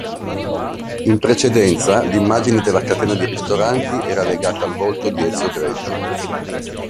In precedenza l’immagine della catena di ristoranti era legata al volto di Ezio Greggio.